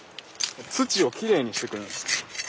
土をきれいにしてくれるんです。